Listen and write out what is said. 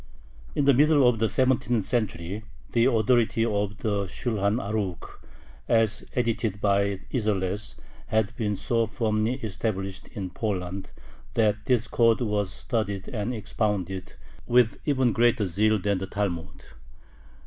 In the middle of the seventeenth century the authority of the Shulhan Arukh, as edited by Isserles, had been so firmly established in Poland that this code was studied and expounded with even greater zeal than the Talmud.